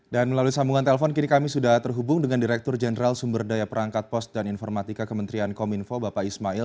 dan melalui sambungan telpon kini kami sudah terhubung dengan direktur jenderal sumber daya perangkat post dan informatika kementerian kominfo bapak ismail